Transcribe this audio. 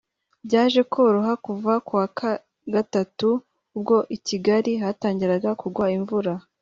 Byaje koroha kuva kuwa Gatatu ubwo i Kigali hatangiraga kugwa imvura